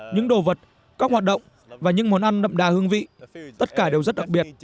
những đồ vật các hoạt động và những món ăn đậm đà hương vị tất cả đều rất đặc biệt